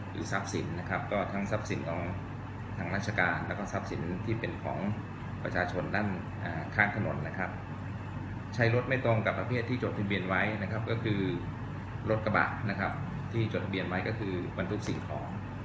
หรือทรัพย์สินนะครับก็ทั้งทรัพย์สินของทางรัชกาและทรัพย์สินที่เป็นของ